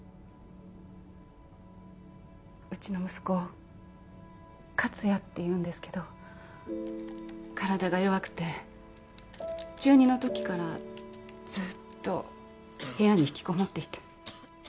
うちの息子克哉っていうんですけど体が弱くて中２のときからずっと部屋に引きこもっていて。